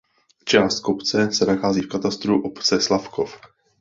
Část kopce se nachází v katastru obce Slavkov.